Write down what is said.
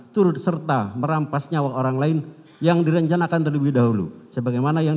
turut serta merampas nyawa orang lain yang direncanakan terlebih dahulu sebagaimana yang